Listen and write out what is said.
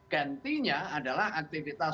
gantinya adalah aktivitas